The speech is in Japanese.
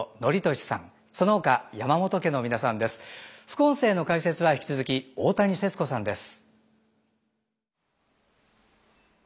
副音声の解説は引き続き大谷節子さんです。